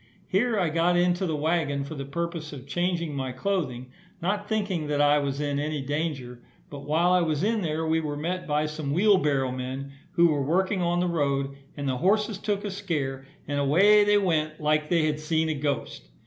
Here I got into the waggon for the purpose of changing my clothing, not thinking that I was in any danger; but while I was in there we were met by some wheel barrow men, who were working on the road, and the horses took a scare and away they went, like they had seen a ghost.